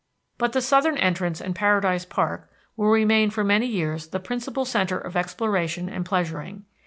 But the southern entrance and Paradise Park will remain for many years the principal centre of exploration and pleasuring.